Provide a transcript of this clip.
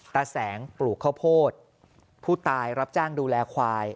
ตาแสงปลูกข้าวโพดผู้ตายรับจ้างดูแลควาย